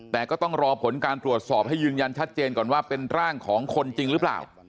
แต่ก็ต้องรอผลการตรวจสอบให้ยืนยันชัดเจนก่อนว่าเป็นร่างของคนจริงหรือเปล่า